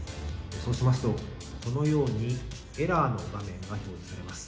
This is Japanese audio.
そうしますとこのように、エラーの画面が表示されます。